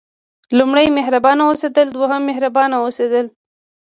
لومړی مهربانه اوسېدل دوهم مهربانه اوسېدل.